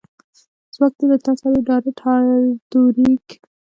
ځواک دې له تا سره وي ډارت هارډویر هیک